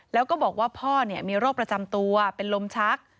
แล้วก็บอกว่าพ่อมีโรคประจำตัวเป็นลมชัก